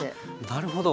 なるほど。